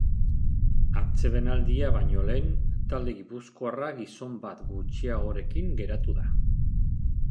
Atsedenaldia baino lehen, talde gipuzkoarra gizon bat gutxiagorekin geratu da.